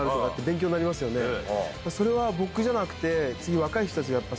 それは僕じゃなくて。